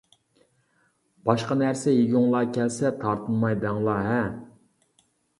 باشقا نەرسە يېگۈڭلار كەلسە تارتىنماي دەڭلار ھە؟ !